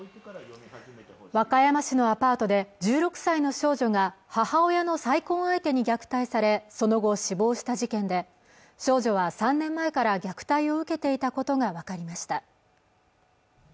和歌山市のアパートで１６歳の少女が母親の再婚相手に虐待されその後死亡した事件で少女は３年前から虐待を受けていたことが分かりました